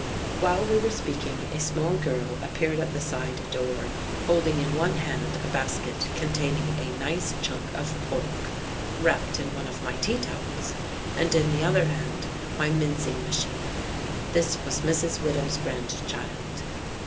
While we were speaking, a small girl appeared at the side door, holding in one hand a basket containing a nice chunk of pork (wrapped in one of my tea towels), and in the other hand my mincing machine. This was Mrs. Widow's grandchild.